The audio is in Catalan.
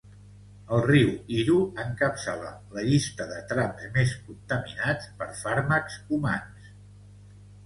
El riu Iro encapçala la llista de trams més contaminats per fàrmacs humans.